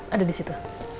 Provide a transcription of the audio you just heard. ada di situ